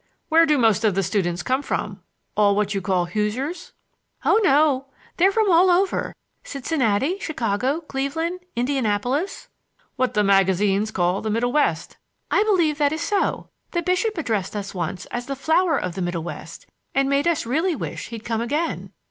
"Where do most of the students come from,—all what you call Hoosiers?" "Oh, no! They're from all over—Cincinnati, Chicago, Cleveland, Indianapolis." "What the magazines call the Middle West." "I believe that is so. The bishop addressed us once as the flower of the Middle West, and made us really wish he'd come again."